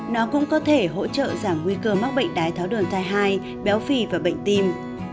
nó cũng có thể hỗ trợ giảm nguy cơ mắc bệnh đái tháo đường thai hai béo phì và bệnh tim